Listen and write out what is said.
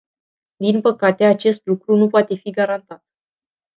Din păcate, acest lucru nu poate fi garantat.